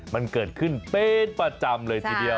มันเกิดขึ้นเป็นประจำเลยทีเดียว